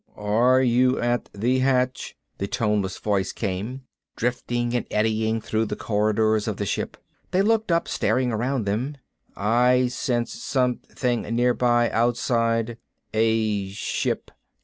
"Are you at the hatch?" the toneless voice came, drifting and eddying through the corridors of the ship. They looked up, staring around them. "I sense something nearby, outside. A ship?